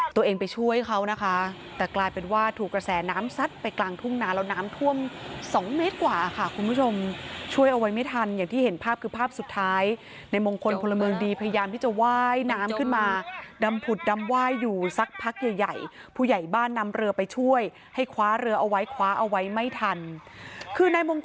ตัวเองไปช่วยเขานะคะแต่กลายเป็นว่าถูกกระแสน้ำซัดไปกลางทุ่งนาแล้วน้ำท่วมสองเมตรกว่าค่ะคุณผู้ชมช่วยเอาไว้ไม่ทันอย่างที่เห็นภาพคือภาพสุดท้ายในมงคลพลเมืองดีพยายามที่จะไหว้น้ำขึ้นมาดำผุดดำไหว้อยู่สักพักใหญ่ใหญ่ผู้ใหญ่บ้านนำเรือไปช่วยให้คว้าเรือเอาไว้คว้าเอาไว้ไม่ทันคือนายมง